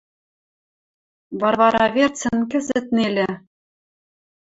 Варвара верцӹн кӹзӹт нелӹ.